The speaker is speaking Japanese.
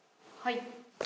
はい。